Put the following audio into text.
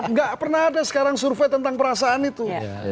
nggak pernah ada sekarang survei tentang perasaan itu